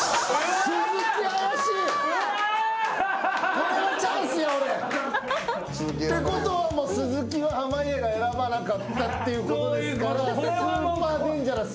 これはチャンスや俺。ってことはもうスズキは濱家が選ばなかったっていうことですからスーパーデンジャラス。